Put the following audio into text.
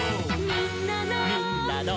「みんなの」